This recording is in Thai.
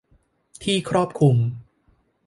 ที่ครอบคลุม